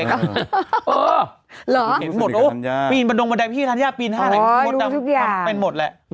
เห็นหมดลูกปินบันดมบันดายพี่คัทธรรยาปินข้างให้เห็นมดดำมันก็ไปหมดละ